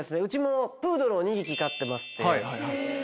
うちもプードルを２匹飼ってまして。